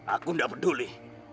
aku tidak peduli